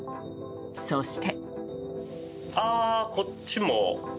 そして。